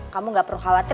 kamu gak perlu khawatir